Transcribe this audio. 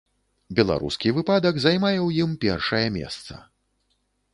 Беларускі выпадак займае ў ім першае месца.